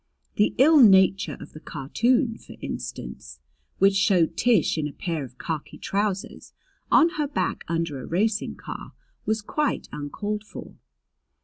The ill nature of the cartoon, for instance, which showed Tish in a pair of khaki trousers on her back under a racing car was quite uncalled for.